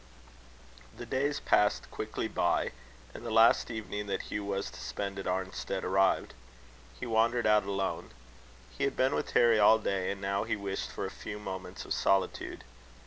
The days passed quickly by; and the last evening that Hugh was to spend at Arnstead arrived. He wandered out alone. He had been with Harry all day, and now he wished for a few moments of solitude.